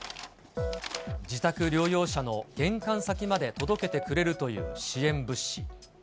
自宅療養者の玄関先まで届けてくれるという支援物資。